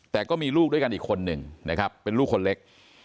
แต่ก็มีลูกด้วยกันอีกคนหนึ่งนะครับเป็นลูกคนเล็ก